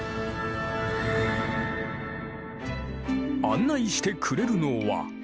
案内してくれるのは。